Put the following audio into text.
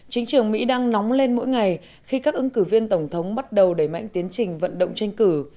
chính trường mỹ đang nóng lên mỗi ngày khi các ứng cử viên tổng thống bắt đầu đẩy mạnh tiến trình vận động tranh cử